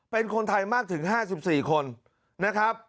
เป็นคนไทยมากถึง๕๔คนนะครับ